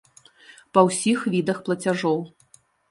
Па ўсіх відах плацяжоў.